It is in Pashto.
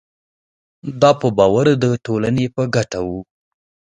دا په باور د ټولنې په ګټه وو.